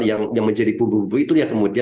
yang menjadi bumbu bumbu itu ya kemudian